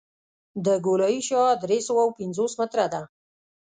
د ګولایي شعاع درې سوه پنځوس متره ده